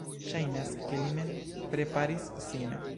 Ŝajnas, ke li ne preparis sin